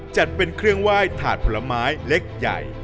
จัดเป็นเครื่องไหว้ถาดผลไม้เล็กใหญ่